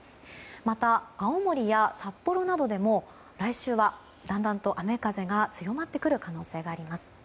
また、青森や札幌などでも来週はだんだんと雨風が強まってくる可能性があります。